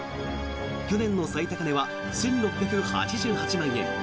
去年の最高値は１６８８万円。